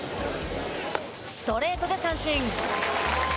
ストレートで三振。